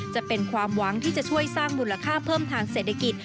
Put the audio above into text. จะเป็นความหวังที่จะช่วยสร้างมูลค่าเพิ่มทางเศรษฐกิจ